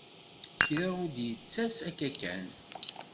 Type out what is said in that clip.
Kra ur d-yettas akka kan.